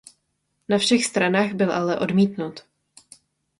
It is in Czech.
Na všech stranách byl ale odmítnut.